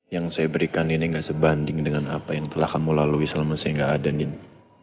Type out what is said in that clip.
yang saya berikan ini gak sebanding dengan apa yang telah kamu lalui selama saya gak adan ini